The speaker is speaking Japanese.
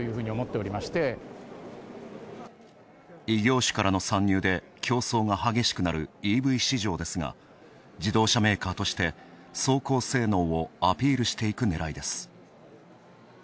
異業種からの参入で競争が激しくなるＥＶ市場ですが自動車メーカーとして走行性能をアピールしていくねらいです。